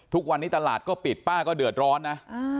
ทุกวันนี้ตลาดก็ปิดป้าก็เดือดร้อนนะ